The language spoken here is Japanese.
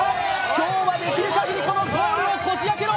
今日はできるかぎり、このゴールをこじ開けろ。